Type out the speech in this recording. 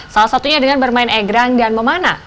salah satunya dengan bermain egrang dan memana